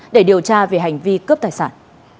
để điều tra về hành vi cướp tài sản